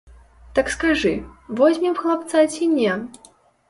Так скажы, возьмем хлапца ці не?